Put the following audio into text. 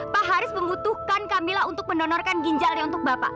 pak haris membutuhkan kamila untuk mendonorkan ginjalnya untuk bapak